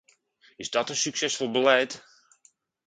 Is dat een succesvol beleid?